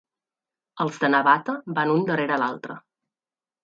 Els de Navata van un darrere l'altre.